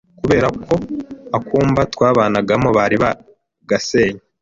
kubera ko akumba twabanagamo bari bagasenye